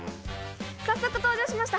早速登場しました。